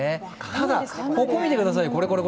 ただ、ここ見てください。